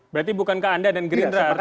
berarti bukankah anda dan green rad